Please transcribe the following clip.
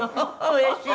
「うれしい。